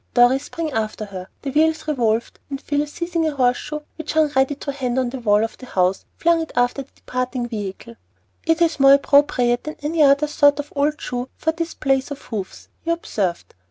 Dorry sprang after her; the wheels revolved; and Phil, seizing a horseshoe which hung ready to hand on the wall of the house, flung it after the departing vehicle. "It's more appropriate than any other sort of old shoe for this Place of Hoofs," he observed.